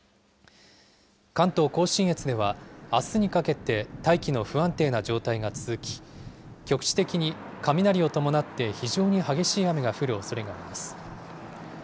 関東甲信越では、あすにかけて大気の不安定な状態が続き、局地的に雷を伴って非常に激しい雨が降るおそれがあります。